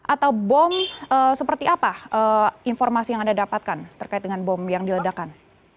atau bom seperti apa informasi yang anda dapatkan terkait dengan bom yang diledakan